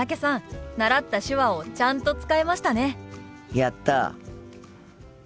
やった！